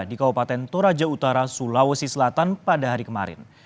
di kabupaten toraja utara sulawesi selatan pada hari kemarin